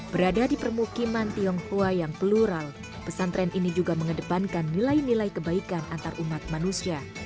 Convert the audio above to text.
berada di permukiman tionghoa yang plural pesantren ini juga mengedepankan nilai nilai kebaikan antarumat manusia